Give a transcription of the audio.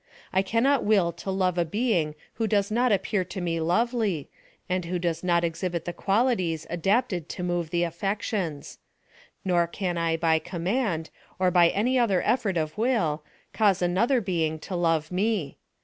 I cannot will to love a beins: who does not appear to me lovely, and who does not exhibit the qualities adapted to move the affections •, nor can I, by command, or by any other effort of will, cause another being to love me.